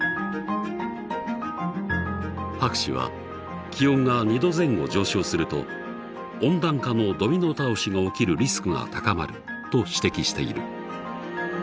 博士は気温が２℃前後上昇すると温暖化のドミノ倒しが起きるリスクが高まると指摘している。